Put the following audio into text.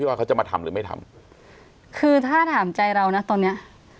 ว่าเขาจะมาทำหรือไม่ทำคือถ้าถามใจเรานะตอนเนี้ย